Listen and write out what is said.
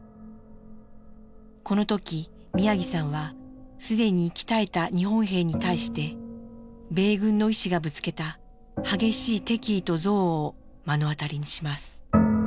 この時宮城さんは既に息絶えた日本兵に対して米軍の医師がぶつけた激しい敵意と憎悪を目の当たりにします。